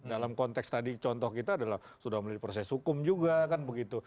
dalam konteks tadi contoh kita adalah sudah melalui proses hukum juga kan begitu